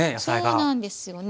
そうなんですよね。